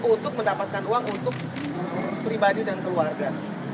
untuk mendapatkan uang untuk pribadi dan keluarga